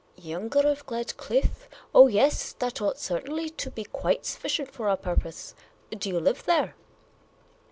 " Younger of Gledcliffe ! Oh, yes, that ought certainly to be quite sufficient for our purpose. Do 3'ou live there